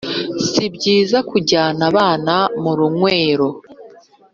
Si byiza kujyana abana mu runywero